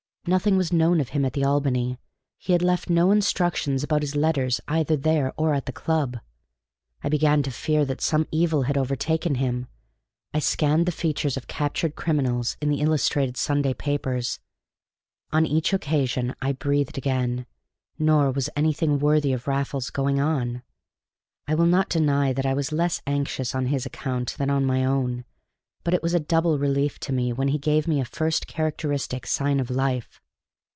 Nothing was known of him at the Albany; he had left no instructions about his letters, either there or at the club. I began to fear that some evil had overtaken him. I scanned the features of captured criminals in the illustrated Sunday papers; on each occasion I breathed again; nor was anything worthy of Raffles going on. I will not deny that I was less anxious on his account than on my own. But it was a double relief to me when he gave a first characteristic sign of life.